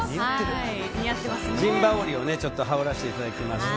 陣羽織を羽織らせていただきました。